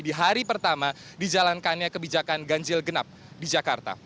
di hari pertama dijalankannya kebijakan ganjil genap di jakarta